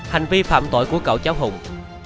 hành vi phạm tội của cậu cháu hùng